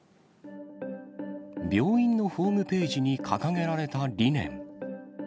病院のホームページに掲げられた理念。